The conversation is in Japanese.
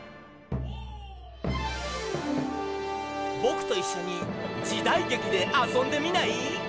ぼくといっしょにじだいげきであそんでみない？